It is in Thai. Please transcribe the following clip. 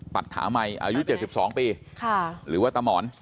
ปัดขาใหม่อายุ๗๒ปีค่ะหรือว่าตะหมอน